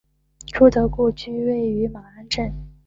朱德故居位于马鞍镇。